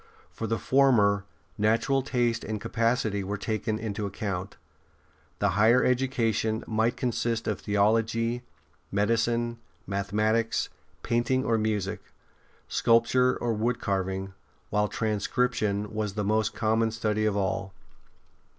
For the former, natural taste and capacity were taken into account. The higher education might consist of theology, medicine, mathe matics, painting or music, sculpture or wood carving, while transcription was the most common study of all.